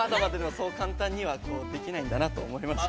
◆そう簡単にはできないんだなと思いました。